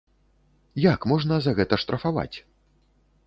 Як можна за гэта штрафаваць?